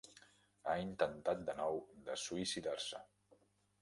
Ha intentat de nou de suïcidar-se.